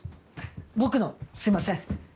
僕のすいません。